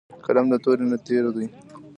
قلم د تورې نه تېز دی